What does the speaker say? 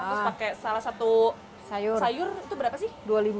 terus pakai salah satu sayur itu berapa sih